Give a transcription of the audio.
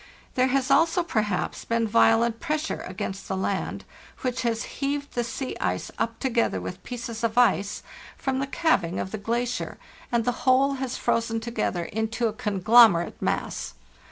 There has also, perhaps, been violent pressure against the land, which has heaved the sea ice up together with pieces of ice from the calving of the LAND AT LAST 343 glacier, and the whole has frozen together into a con glomerate mass.